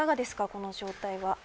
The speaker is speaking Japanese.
この状態は。